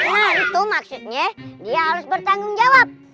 nah itu maksudnya dia harus bertanggung jawab